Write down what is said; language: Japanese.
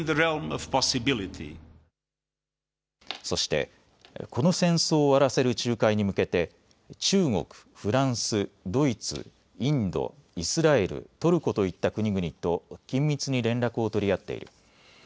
そして、この戦争を終わらせる仲介に向けて中国、フランス、ドイツ、インド、イスラエル、トルコといった国々と緊密に連絡を取り合っている。